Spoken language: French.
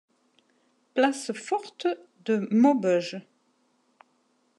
Place-forte de Maubeuge.